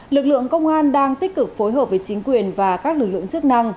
lực lượng công an đang tích cực phối hợp với chính quyền và các lực lượng chức năng